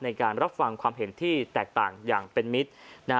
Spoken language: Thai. ในการรับฟังความเห็นที่แตกต่างอย่างเป็นมิตร